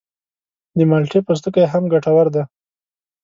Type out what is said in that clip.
د مالټې پوستکی هم ګټور دی.